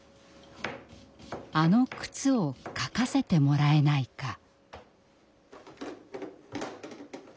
「あの靴を描かせてもらえないか」。